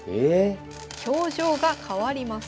表情が変わります。